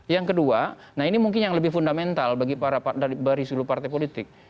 yang kedua nah ini mungkin yang lebih fundamental bagi para dari seluruh partai politik